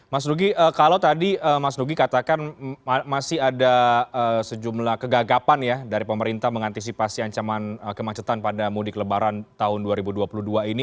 mas nugi kalau tadi mas nugi katakan masih ada sejumlah kegagapan ya dari pemerintah mengantisipasi ancaman kemacetan pada mudik lebaran tahun dua ribu dua puluh dua ini